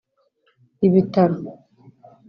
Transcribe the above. ibitaro